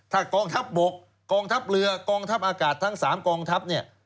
ถ้ากองทัพบกกองทัพเรือกองทัพอากาศทั้ง๓กองทัพเนี่ย